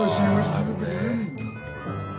あるね。